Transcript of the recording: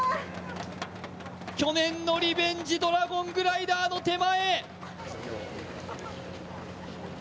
去年のリベンジ、ドラゴングライダーの手前。